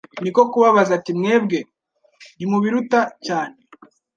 Niko kubabaza ati : "mwebwe ntimubiruta cyane?"